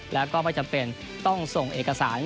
แล้วก็ไม่จำเป็นต้องส่งเอกสาร